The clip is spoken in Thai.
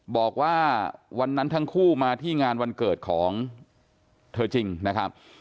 บอกว่าวันนั้นทั้งคู่มาที่งานวันเกิดของเธอจริงนะครับ